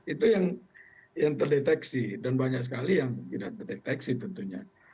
itu yang terdeteksi dan banyak sekali yang tidak terdeteksi tentunya